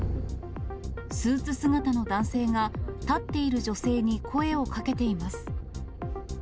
スーツ姿の男性が、立っている女性に声をかけています。